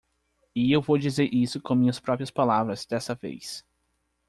E eu vou dizer isso com minhas próprias palavras dessa vez.